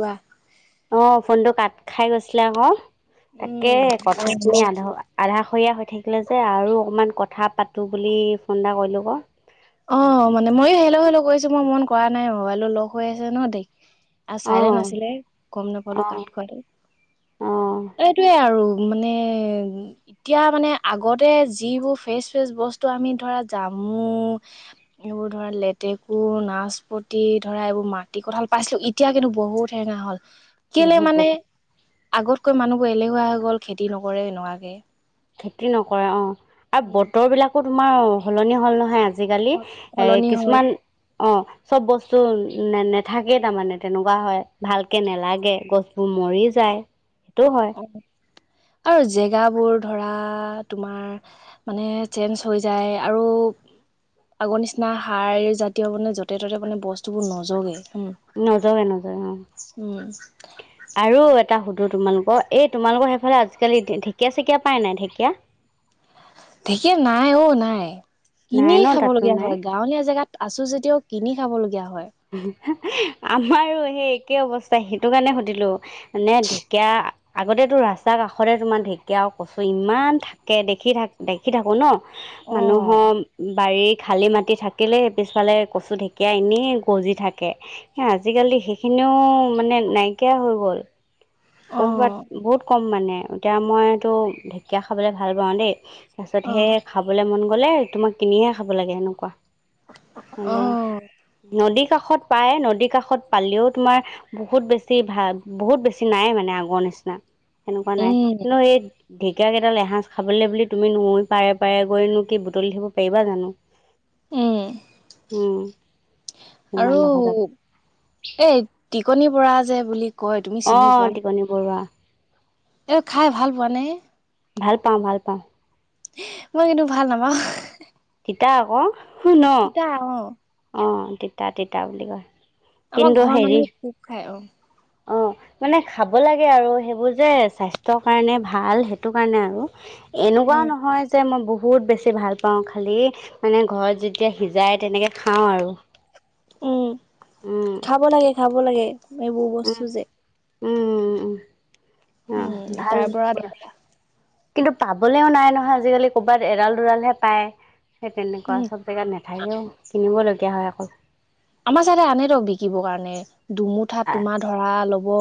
কোৱা। অ ফোনটো কাত খাই গৈছিলে আকৌ। তাকে উম। কথা খিনি আধা আধা ষৰীয়া হৈ থাকিলে যে আৰু অকণমান কথা পাতো বুলি ফোন এটা কৰিলোঁ ক। অ মানে মইয়ো হেল্লো হেল্লো কৰি আছোঁ মই মন কৰা নাই মোবাইলটো লগ হৈ আছে ন দে আৰু চাইলেন অ', আছিলে গম নাপালো অ', কাত খোৱাটো অ', এইটোয়ে আৰু মানে এতিয়া মানে আগতে যিবোৰ ফ্ৰেচ ফেচ বস্তু আমি ধৰা জামু। উ [inaudible] এইবোৰ ধৰা লেতেকু নাচপতি ধৰা এইবোৰ মাটি কঁঠাল পাইছিলো এতিয়া কিন্তু বহুত সেৰেঙা হ'ল। কেলে বহুত মানে বহুত আগতকৈ মানুহবোৰ এলেহুৱা হৈ গ'ল খেতি নকৰে এনেকুৱাকে। খেতি নকৰে অ আৰু উম বতৰ বিলাকো তোমাৰ সলনি হল নহয় আজি আজিকালি সে সলনি হ'ল কিছুমান। অ চব বস্তু নে নেথাকেই তাৰমানে তেনেকুৱা হয় ভালকে নেলাগে গছবোৰ। মৰি যায় টো হয়। আৰু জেগাবোৰ ধৰা তোমাৰ মানে চেঞ্জ হৈ যায় আৰু। আগৰ নিচিনা সাৰ জাতীয় মানে য'তে ত'তে মানে বস্তুবোৰ নজগে। উম নজগে নজগো অ উম আৰু। তা সুধো তোমালোকৰ এই তোমালোকৰ সেইফালে আজিকালি ঢেকীয়া চেকীয়া পাই নাই ঢেকীয়া। ঢেঁকীয়া নাই অ নাই নাই কিনি ন খাব তাতো লগগীয়া নাই হয় গাঁৱলীয়া জেগাত। আছো যেতিয়াও কিনি খাবলগীয়া হয়। আমাৰো সেই একে অৱস্থা সেইটো কাৰণে সুধিলো মানে ঢেকীয়া। আগতে তো ৰাস্তাৰ কাষতে তোমাৰ ঢেকীয়া আৰু কচু ইমান থাকে দেখি থাক দেখি থাকো ন। অ মানুহৰ বাৰী খালী মাটি থাকিলেই পিছফালে কচু ঢেঁকীয়া এনেই। গজি থাকে আজিকালি সেইখিনিও মানে নাইকিয় হৈ গল। অ কৰ'বাত বহুত কম মানে এতিয়া মইতো ঢেকীয়া খাবলে ভাল পাওঁ দেই। তাৰপাছত সেই খাবলৈ মন গলে তোমাক কিনিহে খাব লাগে এনেকুৱা। অ হলে নদী কাষত। প্ৰায় নদীৰ কাষত পালেও তোমাৰ বহুত বেছি ভাল বহুত বেছি নাই মানে। নে আগৰ নিচিনা সেনেকুৱা নাই উম কিন্তু এই। ঢেকাকেইটা এসাঁজ খাবলৈ বুলি তুমি নই পাৰে পাৰে গৈনো কি বুটলি থাকিব পাৰিবা জানো। উম হোম। আৰু ইমান দখ যা। কণিৰ বৰা যে বুলি কয় তুমি চিনি পোৱা নে। টিকনি বৰুৱা এ খাই ভাল পোৱা নে। ভাল পাওঁ ভাল পাওঁ। মই কিন্তু ভাল নাপাওঁ। তিতা আকৌ শুন তিতা অ অ তিতা তিতা বুলি কয়। আমাৰ কিন্তু ঘৰৰ হেৰি মানুহে খুব খায় অ। অ। মানে খাব লাগে আৰু সেইবোৰ যে স্বাস্থ্যৰ কাৰণে ভাল সেইটো কাৰণে আৰু। উম এনেকুৱাও নহয় যে মই ব। হুত বেছি ভাল পাওঁ খালি মানে ঘৰত যেতিয়া সিজাই তেনেকে খাওঁ আৰু। উম উম খাব লাগে খাব লাগে এইবোৰ উম বস্তু যে। উম উম অ উম ভাল তাৰ পৰা। ধৰা কিন্তু পাবলৈও নাই নহয় আজিকালি কৰবাত এদাল দুদালহে পায়। সেই তেনেকুৱা উম চব জেগাত নাথাকেও কিনিব লগগীয়া হয় অকল। আমাৰ ছাইদে আনে ধক বিকিবৰ কাৰণে দুমুঠাত তোমাৰ ধৰা ল। ব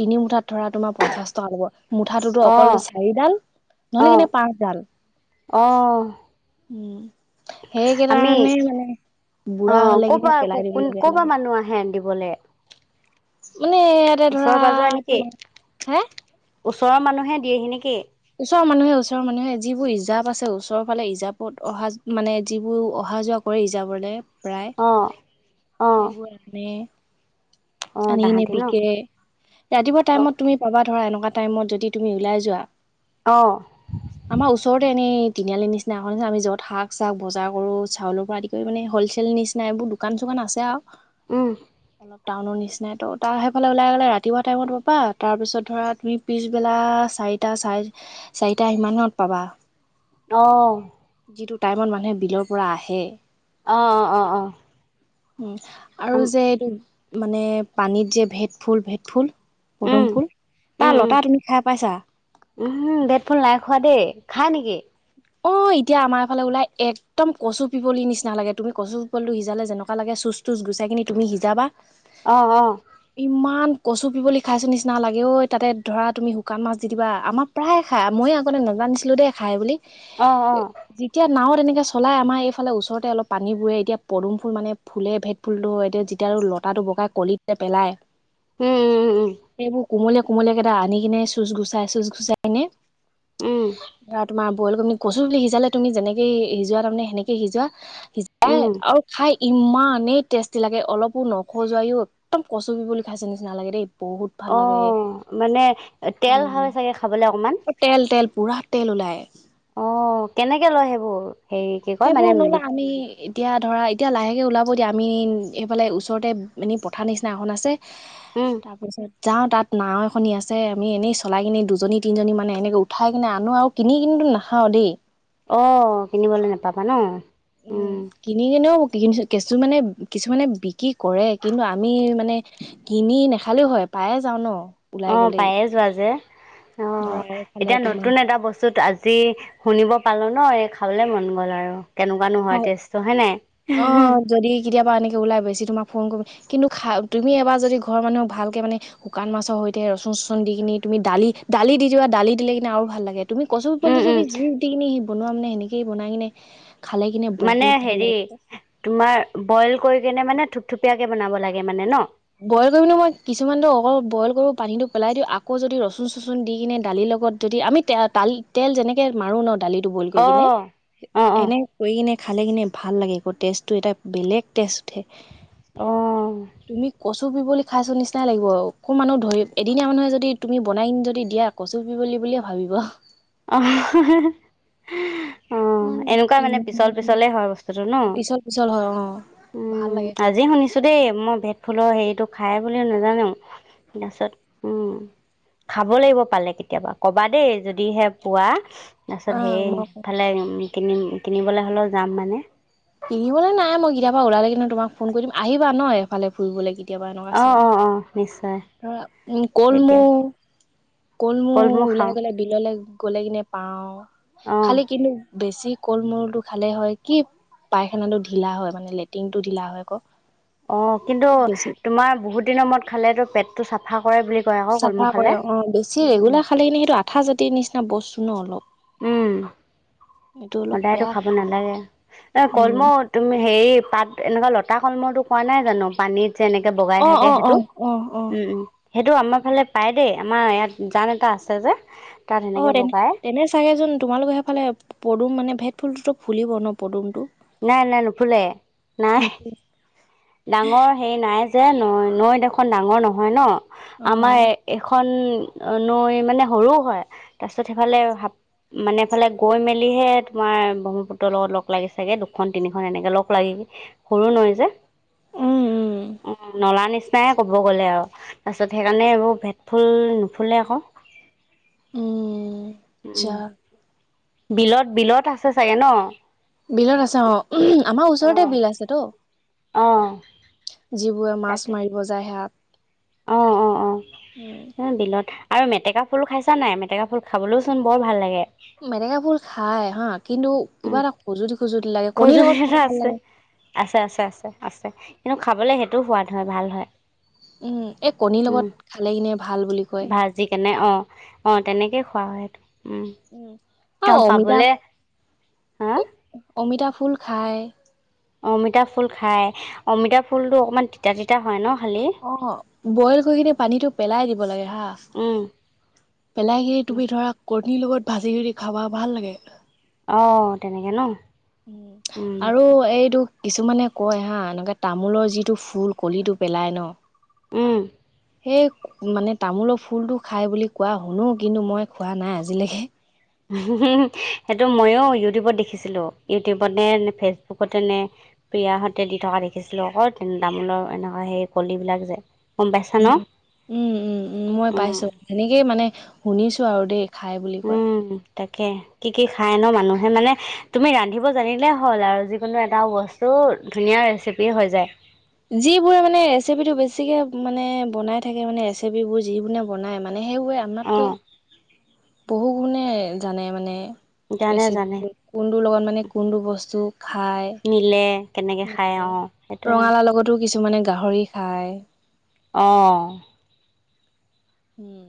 তিনি মুঠাত ধৰা তোমাৰ পঞ্চাশ টকা ল'ব মুঠাতোত অ অকল চাৰিডাল। অ নহলে কিনে পাঁচ ডাল। অ। উম সেইকেটোকাৰণে মানে বুঢ়া হলে কিন। কোৱা ক কোন ক'পা মানুহ আহে নিবলে। মানে ইয়াতে ধৰা তোমাৰ হে। ওচৰৰ মানুহে দিয়হি নেকি। ওচৰ মানুহে ওচৰ মানুহে। যিবোৰ ৰিজাপ আছে ওচৰৰ ফালে ৰিজাপত অহা মানে যিবোৰ অহা যোৱা কৰে ৰিজাবলৈ। অ। অ সেইবোৰ আনে। অ আনি নি তাহাঁতি ন বিকে ৰাতিপুৱা অ টাইমত তুমি পাবা ধৰা এনেকুৱা। টাইমত যদি তুমি ওলাই যোৱা অ আমাৰ ওচৰতে এনেই। তিনিআলি নিচিনা এখন চা আমি য'ত শাক চাক বজাৰ কৰো চাউলৰ পৰা আদি কৰি মানে হলচেল নিচিনা এইবোৰ দোকান চোকান। নাছে আৱ উম। টাউনৰ নিচিনাই তো ত সেইফালে ওলাই গলে ৰাতিপুৱা টাইমত পাবা তাৰপিছত ধৰা তুমি পিছবেলা চা চাৰিটা চাৰে চাৰিটা সিমানত পাবা অ যিটো টাইমত মানুহে বিলৰ পৰা আহে। অহ অ অ অ। উম, আৰু উম যে এইটো মানে পানীত যে ভেদ ফুল, ভেদ ফুল, পদুম উম ফুল তাৰ উম উম লতা তুমি খাই পাইছা উমহো ভেদফুল নাই খোৱা দেই খাই নেকি? অ এতিয়া আমাৰ ফালে ওলাই একদম কচু পিপলিৰ নিচিনা লাগে তুমি কচু পিপলি টো সিজালে যেনেকুৱা লাগে। চুচ তুচ গুচাইকিনি তুমি সিজাবা। অহ, অহ। ইমান কচু পিপলি খাইছো নিচিনা লাগে ঐ তাতে ধৰা তুমি শুকান মাছ দি দিবা আমাৰ প্ৰায়ে খাই মই আগতে নেজা জানিছিলো দেই খাই বুলি অ অ যেতিয়া নাও তেনেকে চলাই আমাৰ এইফালে ওচৰতে অলপ পানী বুৰে এতিয়া পদুম ফুল মানে ফুলে ভেদ ফুলটো এতিয়া যেতিয়া আৰু লতাটো বগাই কলিটোতে পেলাই উম উম উম সেইবোৰ কোমলীয়া কোমলীয়া কেইটা আনি কিনে চুচ গুচাই চুচ গুচাই কিনে উম ধৰা তোমাৰ বয়েল কৰি পিনেৱকচু পিপলি সিজালে তুমি যেনেকৈ সিজোৱা তামানে সেনেকৈ সিজোৱা সিজাই উম আৰু খাই ইমানেই টেষ্টি লাগে অলপো নখজোৱাইও একদম কচু পিপলি খাইছে নিচিনা লাগে দেই বহুত ভাল অ লাগে মানে একদম তেল হয় চাগে খাবলে অকমান তেল তেল পুৰা তেল ওলায় অ কেনেকে লয় সেইবোৰ? হেৰি কি কয় সেইবোৰ মানে ন আমি এতিয়া ধৰা এতিয়া লাহেকে ওলাব এতিয়া আমি সেইফালে ওচৰতে এনেই পথাৰ নিচিনা এখন আছে উম তাৰপাছত যাওঁ তাত নাও এখনি আছে আমি এনেই চলাই কিনি দুজনী তিনজনী মানে এনেকে উঠাই কিনি আনো আৱ কিনি কিন টো নেখাওঁ দেই। অ কিনিবলে নেপাবা ন। উম কিনি কিনেও কেছু মানে কিছুমানে বিক্ৰী কৰে কিন্তু আমি মানে কিনি নেখালেও হয়। পায়ে যাওঁ ন। অ ওলাই গ'লেই পায়ে যোৱা যে অ ধৰা এইফালে এতিয়া তোমাৰ নতুন এটা বস্তুত আজি শুনিব। পালো ন এই খাবলে মন গ'ল আৰু কেনেকুৱা নো হয় টেষ্টটো হয় নাই। অ যদি কেতিয়াবা এনেকে ওলাই বেছি তোমাক ফোন কৰি, কিন্তু খা তুমি এবাৰ যদি ঘৰৰ মানুহক ভালকে মানে শুকান মাছৰ সৈতে ৰচু চুন দি কিনি তুমি দালি দালি দি দিবা দালি দিলে কিনে আৰু ভাল লাগে। তুমি কচু পিপলিটো উম, উম, তুমি যি দি কিনি বনোৱা মানে সেনেকেই বনাই কিনে। খালে কিনে মানে বহুত ভাল হেৰি লাগে তোমাৰ বইল কৰি কেনে মানে থুপথুপীয়াকে বনাব লাগে মানে ন বইল কৰিবলে মই কিছুমান ট অকল বইল কৰোঁ পানীটো পেলাই দিওঁ, আকৌ যদি ৰচুন চচুন দি কিনে দালি ল লগত যদি আমি তে তালি তেল যেনেকে মাৰো ন দালিত বইল কৰি কিনে অ', অ', অ', এনে কৰিকিনে খালে কেনে ভাল লাগে আকৌ টেষ্টটো এটা বেলেগ টেষ্ট উঠে অ তুমি কচু পিপলি খাইছো নিচিনাই লাগিব অকমানো ধৰি এদিনীয়া মানুহে যদি তুমি বনাই কিনি যদি দিয়া কচু পিপলি বুলিয়ে ভাবিব হ অ অ এনেকুৱা মানে পিছল ইমান পিছলে হয় বস্তুটো টো ন। পিছল পিছল হয় অ ভাল উম লাগে খাই আজি শুনিছোঁ দেই মই ভেত ফুলৰ হেৰিটো খাই বুলি নেজানুং তাছত উম খাব লাগিব পালে কেতিয়াবা কবা দেই যদিহে পোৱা তাৰছত অ মই সেইফালে উ কিনিম কিনিবলে হলে যাম মানে কিনিবলে নাই মই কেতিয়াবা ওলালে কিন্ত তোমাক ফোন কৰি দিম আহিবা ন এফালে ফুৰিবলে কে অ অ অ নিশ্চয় ধৰা উম কল তেতিয়া মৌ কলমৌ ওলাই গলে বিললে গলে কিনে পাওঁ অঁ খালি কিন্তু বেছি কল মৌটো খালেই হয় কি পায়খানাটো ঢিলা হয় মানে লেট্ৰিনটো ঢিলা হয় ক অ কিন্তু তোমাৰ বহুত দিনৰ মূৰত খালে তো পেটটো চাফা কৰে বুলি কয় আকৌ কলমৌ চাফা খালে কৰে অ বেছি উম ৰেগুলাৰ খালে কিনে সেইটো আঠা জাতিৰ নিচিনা বস্তু ন অলপ উম এইটো অলপ সদায়তো বেয়া খাব নেলাগে এ উম কলমৌ তুমি হেৰি পাত এনেকুৱা লতা কলমৌতো কোৱা নাই জানো পানীত যেনেকে বগাই অ থাকে অ অ সেটো অ অ উম উম সেইটো আমাৰ ফালে পাই দেই আমাৰ ইয়াত জান এটা আছে যে তাত সেনেকে বগাই তাকেচোন তোমালোক সেফালে পদুম মানে ভেদফুলটোতো ফুলিব ন পদুমটো নাই নাই নুফুলে নাই নুফুলে ডাঙৰ হেই নাই যে নৈ নৈ দেখন ডাঙৰ নহয় ন অ আমাৰ এখন অ নৈ মানে সৰুও হয় তাৰছত সেইফালে মানেফালে গৈ মেলিহে তোমাৰ ব্ৰহ্মপুত্ৰৰ লগত লগ লাগিছে চাগে দুখন তিনিখন এনেকে লগ লাগি সৰু নৈ যে উম উম অ নলা নিচিনাই কব গ'লে আও তাৰছত সেইকাৰণে এইবোৰ ভেদ ফুল নুফুলে ক উম ছোৱা বিলত বিলত আছে চাগে ন বিলত আছে অ আমাৰ ওচৰতে অ', বিল আছে ত অ যিবোৰে মাছ তাকে মাৰিব যায় হেয়াত অ অ অ এ বিলত আৰু মেটেকা ফুলু খাইছা নাই মেটেকা ফুল খাবলৌওচোন বৰ ভাল লাগে মেতেকাফুল খাই হা কিন্তু কিবা এটা খজুটি খজুলি এটা আছে আছে আছে আছে আছে কিন্তু খাবলে সেইটো সোৱাদ হয় ভাল হয় উম এই কণীৰ উম, লগত খালে কিনে ভাল বুলি কয় ভাজি কেনে অ', অ তেনেকেই খোৱা হয় এইটো উম অ অমিতা হা অমিতা ফুল খায় অমিতা ফুল খাই অমিতা ফুল টো অকমান তিতা তিতা হয় ন খালি অ বইল কৰি কিনে পানীটো পেলাই দিব লাগে হা উম, পেলাই কি তুমি ধৰা কনীৰ লগত ভাজি কৰি খাবা ভাল লাগে। অ তেনেকে ন উম উম, আৰু এইটো কিছুমানে কয় হা এনেকে তামোলৰ যিটো ফুল কলিটো পেলাই ন উম সেই মানে তামোলৰ ফুলটো খাই বুলি কোৱা শুনো কিন্তু মই খোৱা নাই আজিলৈকে সেইটো ময়ো ইউটিউবত দেখিছিলো ইউটিউবতে নে ফেচবুকতে নে প্ৰিয়াহঁতে দি থকা দেখিছিলো আকৌ তেন তামোলৰ এনেকুৱা সেই কলিবিলাক যে গম পাইছা উ ন উম উম উম মই পাইছো সেনেকেই মানে শুনিছো আৰু দেই খায় বুলি কয় উম তাকে কি কি খায় ন মানুহে মানে তুমি ৰান্ধিব জানিলে হ'ল আৰু যিকোনো এটা বস্তু বোৰ ধুনীয়া ৰেচিপি হৈ যায় যিবোৰে মানে ৰেচিপিটো বেছিকে মানে বনাই থাকে মানে ৰেচিপিবোৰ যিবো নে বনাই মানে। সেইৱে অঁ আমতকৈ। বহু গুণে জানে মানে জানে জানে ৰেচিপি কোনটো লগত মানে কোনটো বস্তু। খাই নিলে কেনেকৈ খায় অঁ সেইটোৱে ৰঙালাওঁ লগতো কিছুমান। [unintelligible] কিছুমানে গাহৰি খায়। অহ। উম।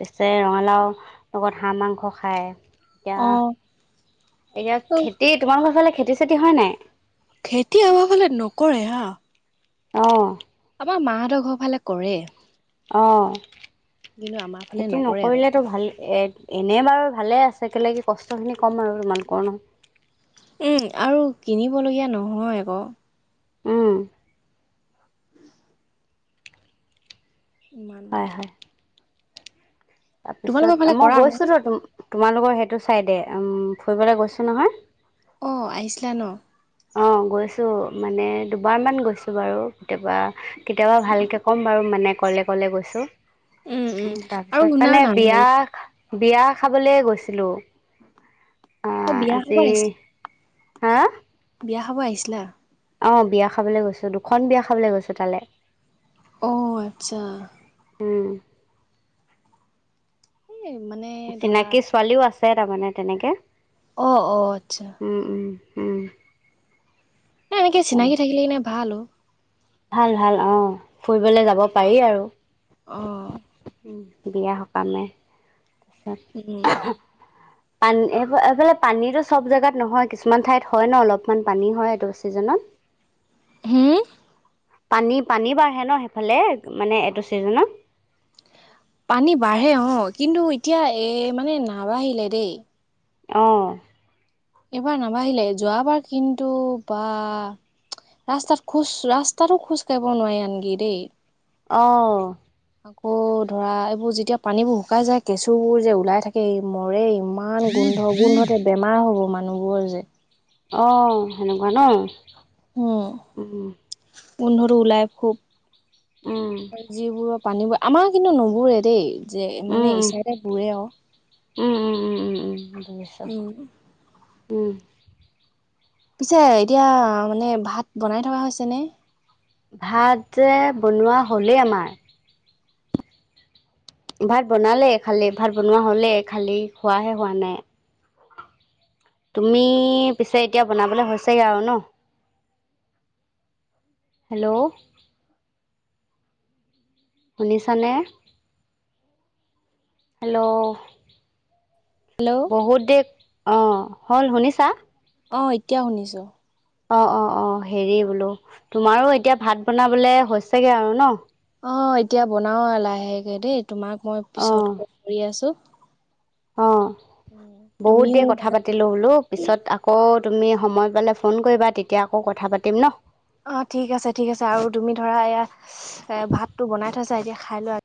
পিছে ৰঙালাওঁ লগত হাঁহ মাংস খায়। এতিয়া অ এতিয়া খেতি তোমালোকৰ ফালে খেতি চেতি হয় নাই। খেতি আমাৰ ফালে নকৰে হা। অ। আমাৰ মাহঁতৰ ঘৰ ফালে কৰে। অঁ কিন্তু আমাৰ ফালে খেতি নকৰে আৰু নকৰিলেতো ভালে। এনে বাৰু ভালে আছে কেলে কি কষ্ট খিনি কম আৰু তোমালোকৰ ন। উম আৰু কিনিবলগীয়া নহয় আকৌ। উম। ইমান এটা হয় হয়। তোমালোকৰ ফালে তাৰপিছত মই কৰা ন গৈছিলোঁ তোমাৰ। তোমালোকৰ সেইটো চাইডে উম ফুৰিবলে গৈছোঁ নহয়। অ আহিছিলা ন। অ গৈছোঁ মানে দুবাৰ মান গৈছোঁ বাৰু। কেতিয়াবা কেতিয়াবা ভালকে ক'ম বাৰু। মানে ক'লে ক'লে গৈছোঁ উম তাৰ আৰু পিছত শুনা মানে না বিয়া। হেৰি বিয়া খাবলৈ গৈছিলোঁ। অ বিয়া খাব আহিছে। হা। বিয়া খাব আহিছিলা। অ বিয়া খাবলৈ গৈছোঁ দুখন বিয়া খাবলৈ গৈছোঁ তালৈ। অ আচ্ছা। উম। এই মানে ধৰা চিনাকি ছোৱালীও আছে তাৰমানে তেনেকে। অ অ আচ্ছা। উম উম উম। এ এনেকে চিনাকি তেনেকে থাকিলে কিনে ভাল অ। ভাল ভাল অ ফুৰিবলে যাব পাৰি আৰু। অহ। বিয়া সকামে উম তাৰপিছত। পানী এই এইফালে পানীতো চব জেগাত নহয়। কিছুমান ঠাইত হয় ন অলপমান পানী হয় এইটো চিজনত। উম। হে। পানী -পানী বাঢ়ে ন সেইফালে মানে এইটো চিজনত। পানী বাঢ়ে অ কিন্তু এতিয়া এ মানে নাবাঢ়িলে দেই। অহ। এইবাৰ নাবাঢ়িলে যোৱাবাৰ কিন্তু বা ৰাস্তাত খোজ ৰাস্তাতো খোজ কাঢ়িব নোৱাৰি আনকি দেই। অহ। আকৌ ধৰা এইবোৰ যেতিয়া পানীবোৰ শুকাই যায় কেঁচুবোৰ যে ওলাই থাকে মৰে। ইমান গোন্ধ গোন্ধতে বেমাৰ হব মানুহবোৰৰ যে। অ সেনেকুৱা ন। উম উম গোন্ধটো ওলাই খুব। উম যিবোৰ পানীবোৰ আমাৰ কিন্তু নুবোৰে দেই। যে উম মানে ঈশ্বৰে বুৰে আও। উম উম উম উম উম দুবছৰ উম, উম। পিছে এতিয়া মানে ভাত বনাই থকা হৈছে নে ভাত যে বনোৱা হ'লেই আমাৰ ভাত বনালে খালি ভাত বনোৱা হ'লে খালি খোৱাহে হোৱা নাই তুমি পিছে এতিয়া বনাবলে হৈছেগে আৰু ন হেল্ল' শুনিছানে? হেল্ল'! হেল্ল' বহুত দে অ হল শুনিছা? অ এতিয়া শুনিছো। অ অ অ হেৰি বোলো, তোমাৰো এতিয়া ভাত বনাবলে হৈছেগে আৰু ন। অঁ এতিয়া বনাওঁ লাহেকৈ দেই তোমাক মই পিছত অঁ কল কৰি আছোঁ। অঁ, বহুত দেৰি তুমিও কথা পাতিলোঁ বোলো পিছত আকৌ তুমি সময় পালে ফোন কৰিবা তেতিয়া আকৌ কথা পাতিম ন। অ ঠিক আছে ঠিক আছে আৰু তুমি ধৰা এয়া এ ভাতটো বনাই থৈছা এতিয়া খাই লোৱা